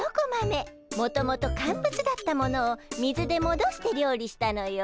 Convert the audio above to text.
もともと乾物だったものを水でもどして料理したのよ。